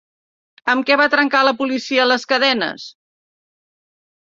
Amb què va trencar la policia les cadenes?